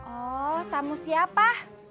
oh tamu siapa